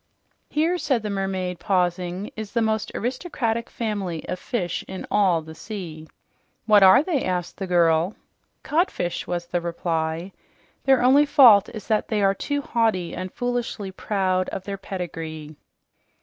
"Here," said the mermaid, pausing, "is the most aristocratic family of fish in all the sea." "What are they?" asked the girl. "Codfish," was the reply. "Their only fault is that they are too haughty and foolishly proud of their pedigree."